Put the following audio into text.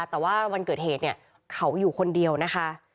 แต่ว่าวันเกิดเหตุเนี่ยเขาอยู่คนเดียวนะคะ